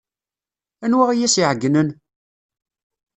Anwa ay as-iɛeyynen?